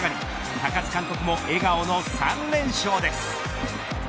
高津監督も笑顔の３連勝です。